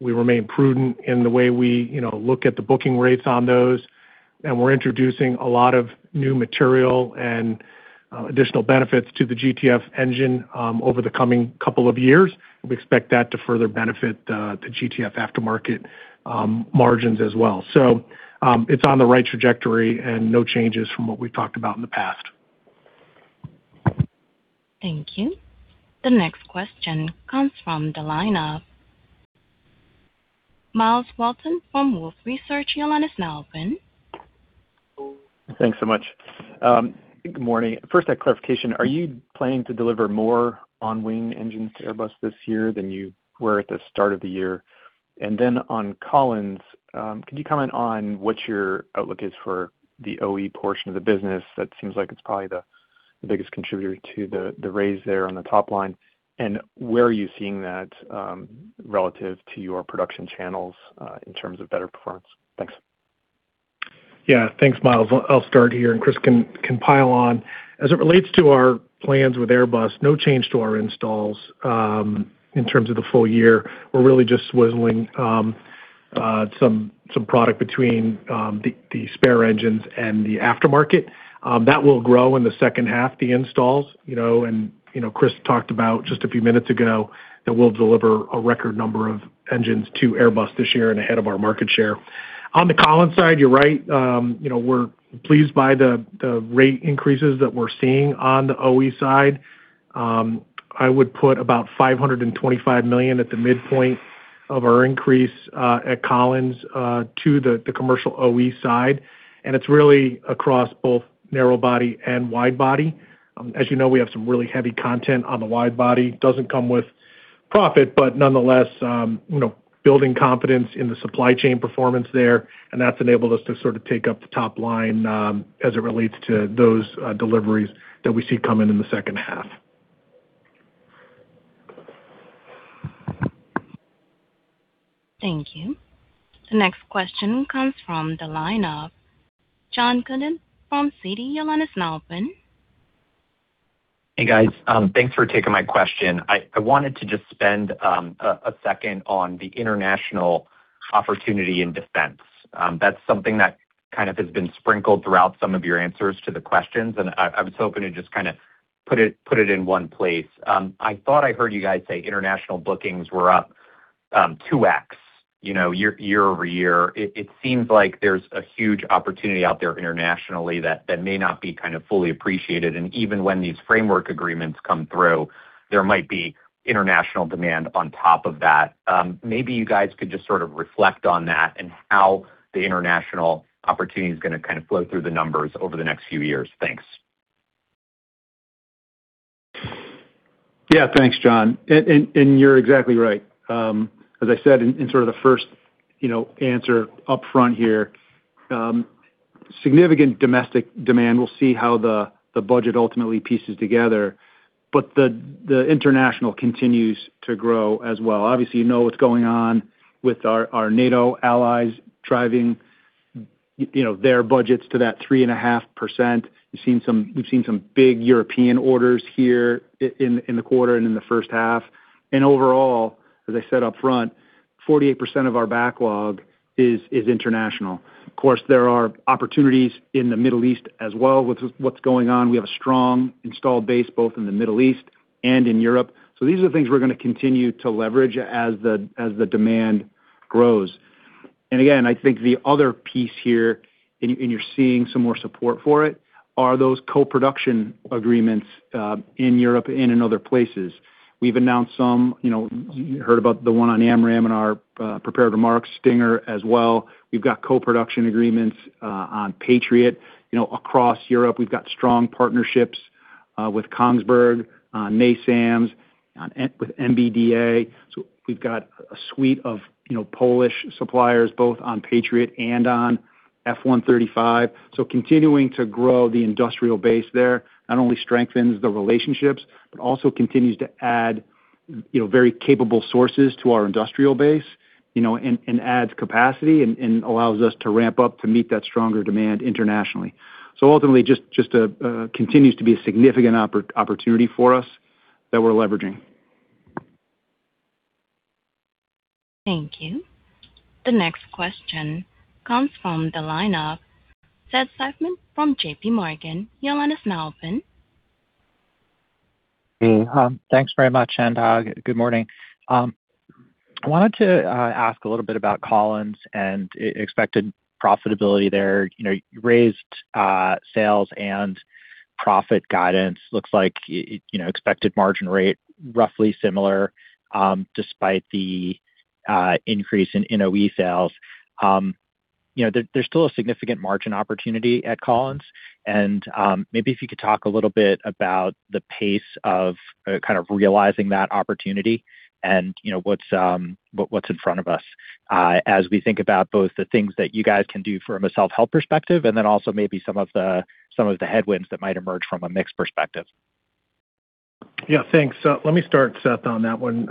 We remain prudent in the way we look at the booking rates on those, and we're introducing a lot of new material and additional benefits to the GTF engine over the coming couple of years. We expect that to further benefit the GTF aftermarket margins as well. It's on the right trajectory and no changes from what we've talked about in the past. Thank you. The next question comes from the line of Myles Walton from Wolfe Research. Your line is now open. Thanks so much. Good morning. First, a clarification. Are you planning to deliver more on-wing engines to Airbus this year than you were at the start of the year? On Collins, can you comment on what your outlook is for the OE portion of the business? That seems like it's probably the biggest contributor to the raise there on the top line. Where are you seeing that, relative to your production channels, in terms of better performance? Thanks. Thanks, Myles. I'll start here; Chris can pile on. As it relates to our plans with Airbus, there is no change to our installs in terms of the full year. We're really just swizzling some product between the spare engines and the aftermarket. That will grow in the second half, the installs. Chris talked about, just a few minutes ago, that we'll deliver a record number of engines to Airbus this year and ahead of our market share. On the Collins side, you're right. We're pleased by the rate increases that we're seeing on the OE side. I would put about $525 million at the midpoint of our increase at Collins to the commercial OE side, and it's really across both narrow-body and wide-body. As you know, we have some really heavy content on the wide body. Doesn't come with profit, but nonetheless, building confidence in the supply chain performance there. That's enabled us to sort of take up the top line as it relates to those deliveries that we see coming in the second half. Thank you. The next question comes from the line of John Cullen from Citi. Your line is now open. Hey, guys. Thanks for taking my question. I wanted to just spend a second on the international opportunity in defense. That's something that kind of has been sprinkled throughout some of your answers to the questions, and I was hoping to just kind of put it in one place. I thought I heard you guys say international bookings were up 2x year-over-year. It seems like there's a huge opportunity out there internationally that may not be kind of fully appreciated; even when these framework agreements come through, there might be international demand on top of that. Maybe you guys could just sort of reflect on that and how the international opportunity is going to kind of flow through the numbers over the next few years. Thanks. Thanks, John. You're exactly right. As I said in sort of the first answer up front here, significant domestic demand. We'll see how the budget ultimately pieces together. The international continues to grow as well. Obviously, you know what's going on with our NATO allies driving their budgets to that 3.5%. We've seen some big European orders here in the quarter and in the first half. Overall, as I said up front, 48% of our backlog is international. Of course, there are opportunities in the Middle East as well with what's going on. We have a strong installed base both in the Middle East and in Europe. These are the things we're going to continue to leverage as the demand grows. Again, I think the other piece here, and you're seeing some more support for it, are those co-production agreements in Europe and in other places. We've announced some. You heard about the one on AMRAAM in our prepared remarks, Stinger, as well. We've got co-production agreements on Patriot. Across Europe, we've got strong partnerships with Kongsberg on NASAMS, with MBDA. We've got a suite of Polish suppliers both on Patriot and on F135. Continuing to grow the industrial base there not only strengthens the relationships but also continues to add very capable sources to our industrial base and adds capacity and allows us to ramp up to meet that stronger demand internationally. Ultimately, it just continues to be a significant opportunity for us that we're leveraging. Thank you. The next question comes from the line of Seth Seifman from J.P. Morgan. Your line is now open. Hey. Thanks very much, and good morning. I wanted to ask a little bit about Collins and expected profitability there. You raised sales and profit guidance. It looks like the expected margin rate is roughly similar, despite the increase in OE sales. There's still a significant margin opportunity at Collins, and maybe you could talk a little bit about the pace of kind of realizing that opportunity and what's in front of us as we think about both the things that you guys can do from a self-help perspective and then also maybe some of the headwinds that might emerge from a mix perspective. Yeah, thanks. Let me start, Seth, on that one.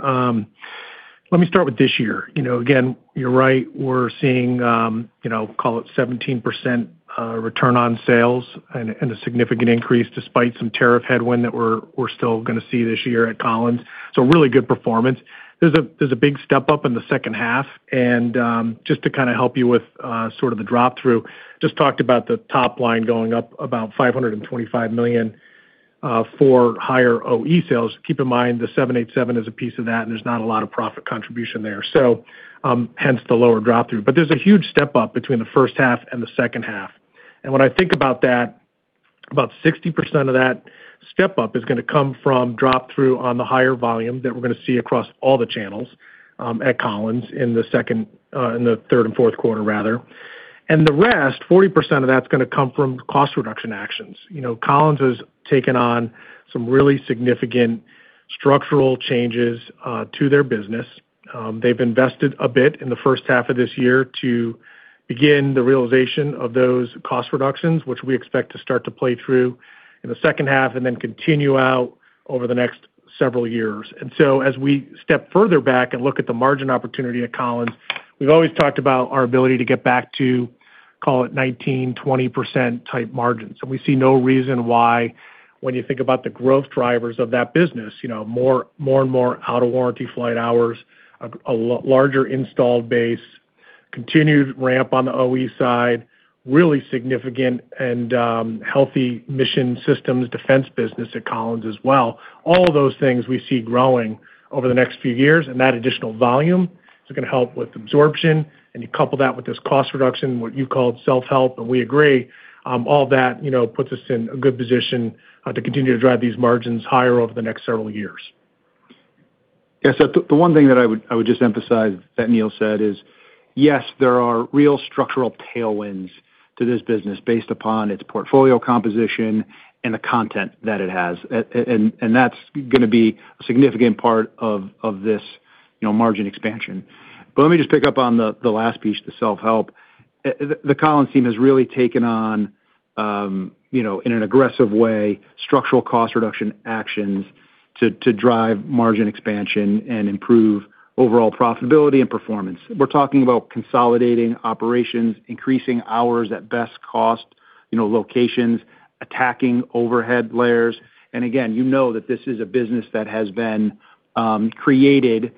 Let me start with this year. Again, you're right. We're seeing, call it, a 17% return on sales and a significant increase despite some tariff headwind that we're still going to see this year at Collins. Really good performance. There's a big step up in the second half, and just to kind of help you with sort of the drop-through, I just talked about the top line going up about $525 million for higher OE sales. Keep in mind, the 787 is a piece of that, and there's not a lot of profit contribution there; hence, the lower drop-through. There's a huge step up between the first half and the second half. When I think about that, about 60% of that step-up is going to come from drop-through on the higher volume that we're going to see across all the channels at Collins in the third and fourth quarters, rather. The rest, 40% of that, is going to come from cost reduction actions. Collins has taken on some really significant structural changes to its business. They've invested a bit in the first half of this year to begin the realization of those cost reductions, which we expect to start to play through in the second half and then continue out over the next several years. As we step further back and look at the margin opportunity at Collins, we've always talked about our ability to get back to, call it, 19%-20% type margins. We see no reason why, when you think about the growth drivers of that business, more and more out-of-warranty flight hours, a larger installed base, continued ramp on the OE side, really significant and healthy mission systems defense business at Collins as well. All of those things we see growing over the next few years, and that additional volume is going to help with absorption. You couple that with this cost reduction, what you called self-help, and we agree, all that puts us in a good position to continue to drive these margins higher over the next several years. Yeah. The one thing that I would just emphasize that Neil said is, yes, there are real structural tailwinds to this business based upon its portfolio composition and the content that it has. That's going to be a significant part of this margin expansion. Let me just pick up on the last piece, the self-help. The Collins team has really taken on, in an aggressive way, structural cost reduction actions to drive margin expansion and improve overall profitability and performance. We're talking about consolidating operations, increasing hours at best cost locations, attacking overhead layers. Again, you know that this is a business that has been created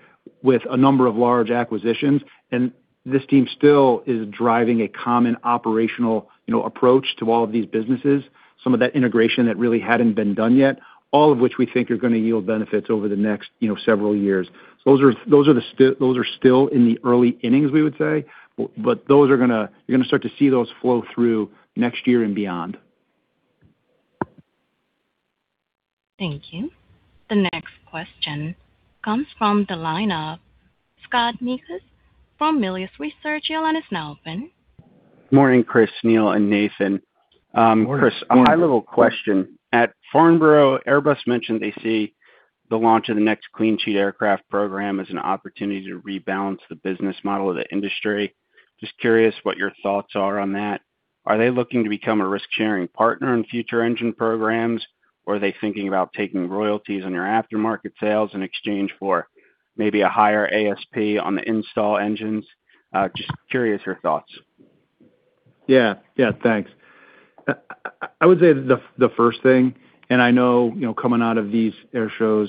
with a number of large acquisitions, and this team still is driving a common operational approach to all of these businesses, some of that integration that really hadn't been done yet, all of which we think are going to yield benefits over the next several years. Those are still in the early innings, we would say, but you're going to start to see those flow through next year and beyond. Thank you. The next question comes from the line of Scott Mikus from Melius Research. Your line is now open. Morning, Chris, Neil, and Nathan. Morning. Chris, a high-level question. At Farnborough, Airbus mentioned they see the launch of the next clean sheet aircraft program as an opportunity to rebalance the business model of the industry. Just curious what your thoughts are on that. Are they looking to become a risk-sharing partner in future engine programs, or are they thinking about taking royalties on your aftermarket sales in exchange for maybe a higher ASP on the install engines? Just curious your thoughts. Yeah. Thanks. I would say the first thing, I know coming out of these air shows,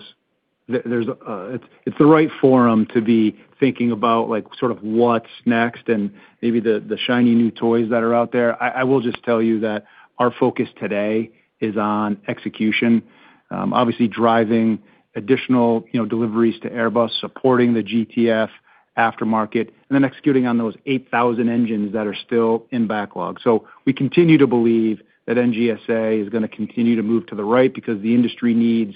it's the right forum to be thinking about sort of what's next and maybe the shiny new toys that are out there. I will just tell you that our focus today is on execution. Obviously driving additional deliveries to Airbus, supporting the GTF aftermarket, and then executing on those 8,000 engines that are still in backlog. We continue to believe that NGSA is going to continue to move to the right because the industry needs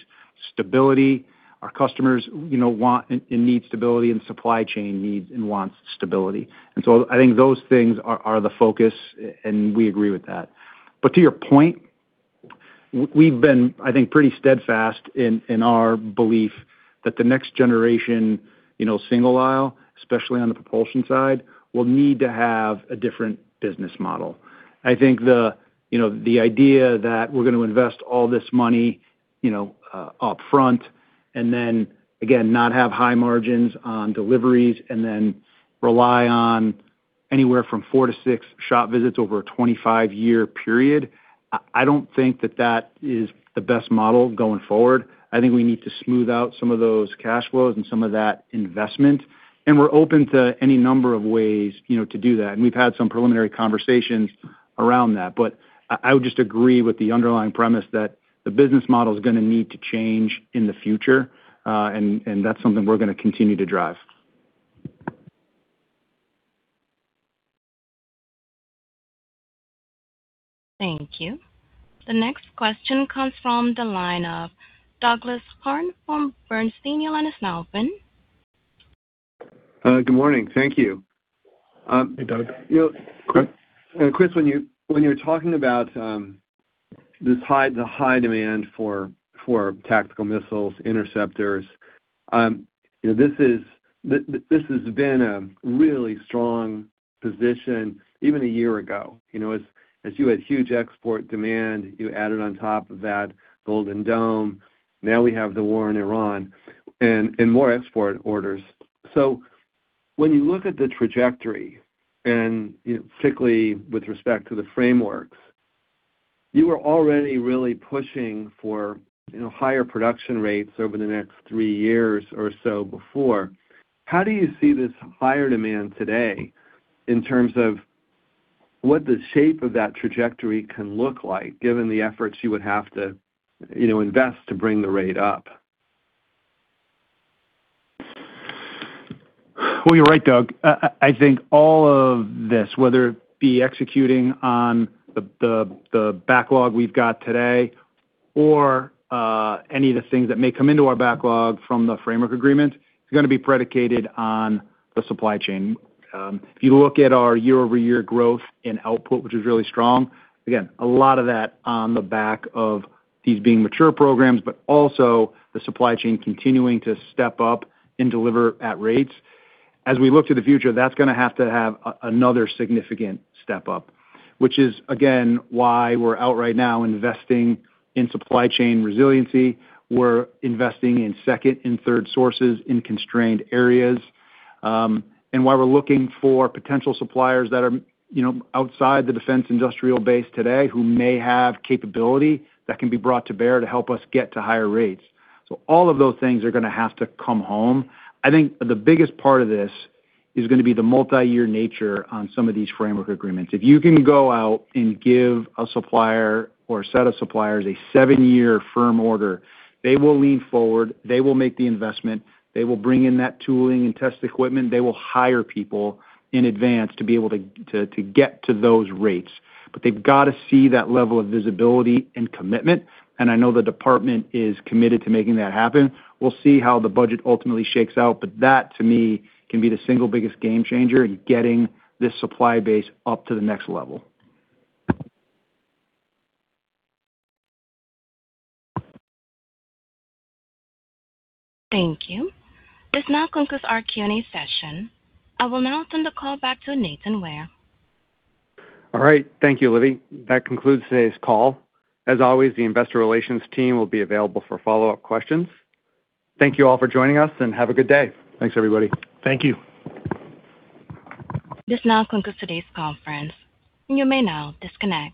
stability. Our customers want and need stability, and supply chain needs and wants stability. I think those things are the focus, and we agree with that. To your point, we've been, I think, pretty steadfast in our belief that the next generation single aisle, especially on the propulsion side, will need to have a different business model. I think the idea that we're going to invest all this money up front and then, again, not have high margins on deliveries and then rely on anywhere from four to six shop visits over a 25-year period—I don't think that that is the best model going forward. I think we need to smooth out some of those cash flows and some of that investment, and we're open to any number of ways to do that, and we've had some preliminary conversations around that. I would just agree with the underlying premise that the business model is going to need to change in the future, and that's something we're going to continue to drive. Thank you. The next question comes from the line of Doug Harned from Bernstein. Your line is now open. Good morning. Thank you. Hey, Doug. Chris, when you're talking about the high demand for tactical missiles, interceptors— this has been a really strong position even a year ago. As you had huge export demand, you added on top of that Golden Dome. Now we have the war in Iran and more export orders. When you look at the trajectory, and particularly with respect to the frameworks, you are already really pushing for higher production rates over the next three years or so before. How do you see this higher demand today in terms of what the shape of that trajectory can look like, given the efforts you would have to invest to bring the rate up? Well, you're right, Doug. I think all of this, whether it be executing on the backlog we've got today or any of the things that may come into our backlog from the framework agreement, is going to be predicated on the supply chain. If you look at our year-over-year growth in output, which is really strong, again, a lot of that on the back of these being mature programs, but also the supply chain continuing to step up and deliver at rates. As we look to the future, that's going to have to have another significant step up, which is, again, why we're out right now investing in supply chain resiliency. We're investing in second and third sources in constrained areas. We're looking for potential suppliers that are outside the defense industrial base today, who may have capabilities that can be brought to bear to help us get to higher rates. All of those things are going to have to come home. I think the biggest part of this is going to be the multi-year nature on some of these framework agreements. If you can go out and give a supplier or a set of suppliers a seven-year firm order, they will lean forward; they will make the investment; they will bring in that tooling and test equipment; they will hire people in advance to be able to get to those rates. They've got to see that level of visibility and commitment, and I know the department is committed to making that happen. We'll see how the budget ultimately shakes out; that, to me, can be the single biggest game changer in getting this supply base up to the next level. Thank you. This now concludes our Q&A session. I will now turn the call back to Nathan Ware. All right. Thank you, Livia. That concludes today's call. As always, the investor relations team will be available for follow-up questions. Thank you all for joining us, and have a good day. Thanks, everybody. Thank you. This now concludes today's conference. You may now disconnect.